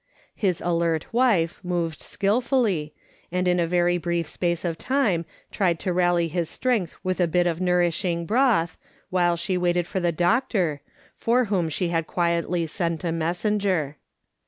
His alert wife moved skilfully, and in a very brief space of time tried to rally his strength with a bit of nourishing broth, while she waited for the doctor, for whom she had quietly sent a mes senger.